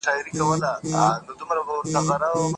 زه به دي پلو له مخي لیري کړم پخلا به سو